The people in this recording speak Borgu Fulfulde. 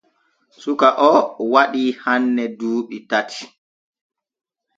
Suka o waɗi hanne duuɓi tati.